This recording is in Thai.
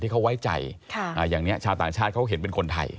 เขาไว้ใจอย่างนี้ชาวต่างชาติเขาเห็นเป็นคนไทย